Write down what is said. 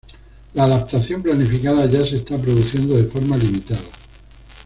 La adaptación planificada ya se está produciendo de forma limitada.